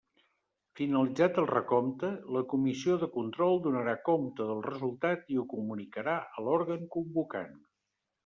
Finalitzat el recompte, la Comissió de control donarà compte del resultat i ho comunicarà a l'òrgan convocant.